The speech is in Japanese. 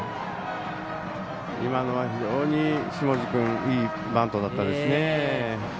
今のは非常に下地君、いいバントでしたね。